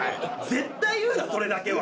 絶対言うなそれだけは。